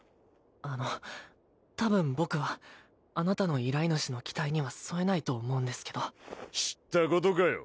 あの多分僕はあなたの依頼主の期待には沿えないと思うんですけど知ったことかよ